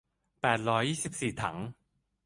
แปดร้อยยี่สิบสี่ถัง